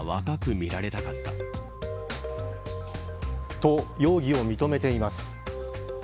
と、容疑を認めています。